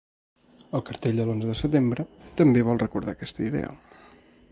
El cartell de l’onze de setembre també vol recordar aquesta idea.